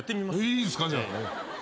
いいっすかじゃあ。